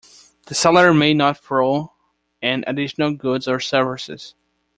The seller may not throw in additional goods or services.